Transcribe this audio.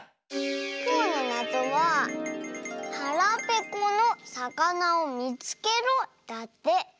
きょうのなぞは「はらぺこのさかなをみつけろ」だって。